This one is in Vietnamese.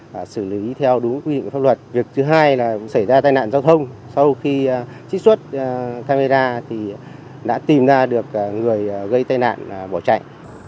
sau khi trích xuất camera thì đã tìm ra được người gây tai nạn bỏ chạy